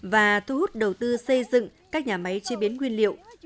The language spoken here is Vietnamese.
và thu hút đầu tư xây dựng các nhà máy chế biến nguyên liệu